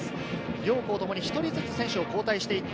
両校ともに１人ずつ選手を交代して行った。